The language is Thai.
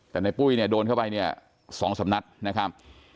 แต่ในปุ้ยเนี่ยโดนเข้าไปเนี่ย๒สำนัดนะครับ